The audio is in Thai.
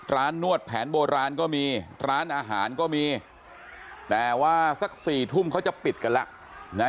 นวดแผนโบราณก็มีร้านอาหารก็มีแต่ว่าสัก๔ทุ่มเขาจะปิดกันแล้วนะ